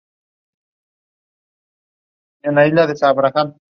At a young age, he boarded a ship destined for California.